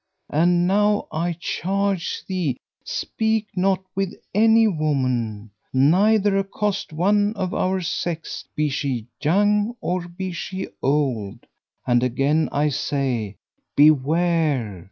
And now I charge thee speak not with any woman, neither accost one of our sex, be she young or be she old; and again I say Beware!